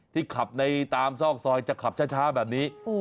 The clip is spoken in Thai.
ขับในตามซอกซอยจะขับช้าแบบนี้